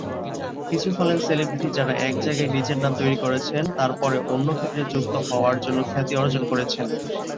কিছু হলেন সেলিব্রিটি যারা এক জায়গায় নিজের নাম তৈরি করেছেন, তারপরে অন্য ক্ষেত্রে যুক্ত হওয়ার জন্য খ্যাতি অর্জন করেছেন।